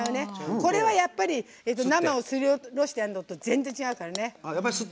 これは、やっぱり生をすり下ろしてるのと全然、違うからね。